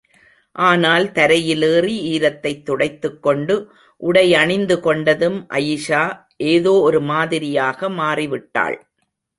ஆனால் கரையில் ஏறி, ஈரத்தைத் துடைத்துக் கொண்டு, உடையணிந்து கொண்டதும், அயீஷா ஏதோ ஒரு மாதிரியாக மாறிவிட்டாள்.